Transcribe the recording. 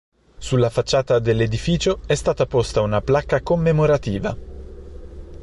Sulla facciata dell'edificio è stata posta una placca commemorativa.